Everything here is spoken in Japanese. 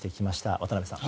渡辺さん。